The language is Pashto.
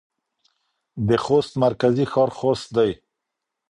د خوست مرکزي ښار خوست دی.